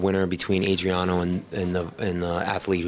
dia akan bertarung untuk titel